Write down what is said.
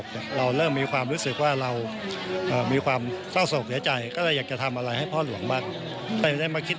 จำลองวันนี้เชื่อจะบอกกล่ากับสิ่งศักดิ์สิทธิ์